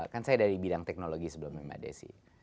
kan saya dari bidang teknologi sebelumnya mad sih